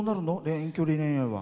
遠距離恋愛は。